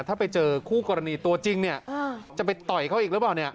ถ้าไปเจอคู่กรณีตัวจริงจะไปต่อยเขาอีกหรือเปล่า